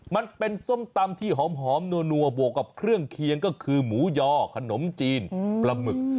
มันเป็นส้มตำที่หอมนัวบวกกับเครื่องเคียงก็คือหมูยอขนมจีนปลาหมึก